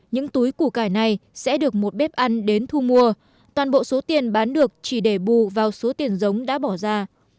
những túi củ cải này sẽ được một bếp ăn đến thu mua toàn bộ số tiền bán được chỉ để bù vào số tiền giống đã bỏ ra